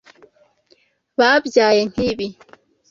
Byabaye nkibi.